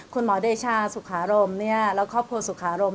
คุณหมอเดช่าสุขารมและครอบครัวสุขารม